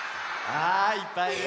あいっぱいいる！